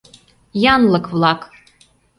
Янлык-влак!